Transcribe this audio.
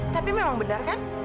tapi memang benar kan